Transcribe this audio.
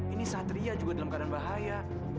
ini satria juga dalam keadaan bahaya